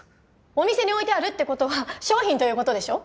お店に置いてあるってことは商品ということでしょ？